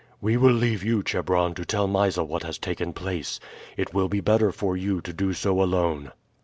"We will leave you, Chebron, to tell Mysa what has taken place. It will be better for you to do so alone."